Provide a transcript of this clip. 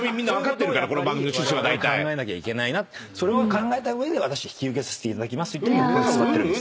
そういうことをやっぱりわれわれは考えなきゃいけないなそれを考えた上で私引き受けさせていただきますと言ってここに座ってるんです。